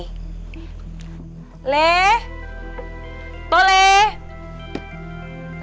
biasanya kan ditaro disini